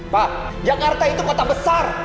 pak jakarta itu kota besar